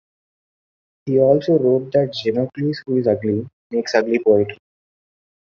He also wrote that "Xenocles, who is ugly, makes ugly poetry".